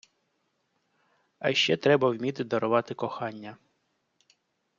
А ще треба вміти дарувати кохання.